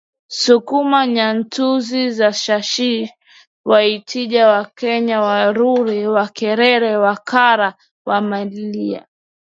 Sukuma Nyantuzu na Shashi Wajita Wakwaya Waruri Wakerewe Wakara Wamalila